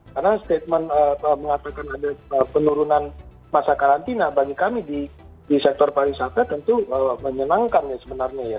karena statement mengatakan ada penurunan masa karantina bagi kami di sektor pariwisata tentu menyenangkan sebenarnya